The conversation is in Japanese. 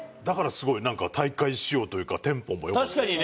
だからすごいなんか大会仕様というかテンポも良く。